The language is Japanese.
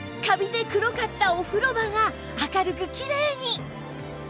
カビで黒かったお風呂場が明るくキレイに！